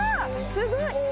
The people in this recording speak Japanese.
すごい。